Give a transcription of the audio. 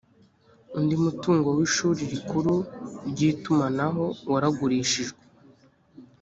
undi mutungo wishuri rikuru ry itumanaho waragurishijwe